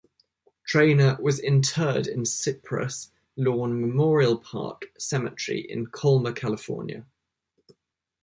Traina was interred in Cypress Lawn Memorial Park cemetery in Colma, California.